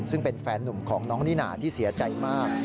ซึ่งเป็นแฟนหนุ่มของน้องนิน่าที่เสียใจมาก